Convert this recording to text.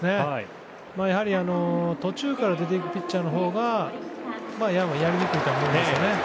やはり途中から出て行くピッチャーのほうがやりにくいとは思うんですよね。